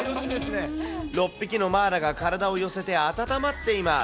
６匹のマーラが体を寄せて温まっています。